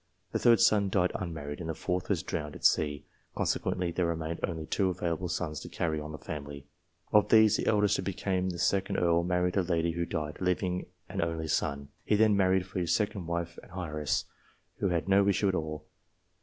The third son died unmarried, and the fourth was drowned at sea, consequently there remained only two available sons to carry on the family. Of these, the eldest, who became the 2d Earl, married a lady who died, leaving an only son. He then married for his second wife, an heiress, who had no issue at all.